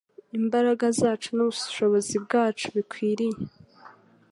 Imbaraga zacu n’ubushobozi bwacu bikwiriye